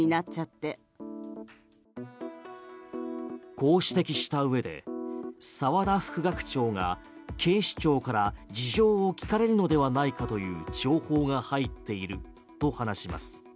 こう指摘したうえで澤田副学長が、警視庁から事情を聞かれるのではないかという情報が入っていると話します。